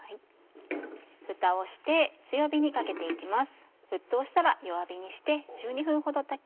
ふたをして強火にかけて行きます。